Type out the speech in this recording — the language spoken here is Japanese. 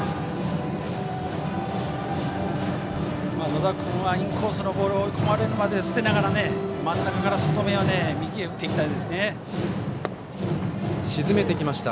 野田君はインコースのボールを追い込まれるまでは捨てながら真ん中から外めは沈めてきました。